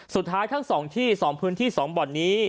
สุดท้ายทั้งสองที่สองพื้นที่สองบ่อนนี้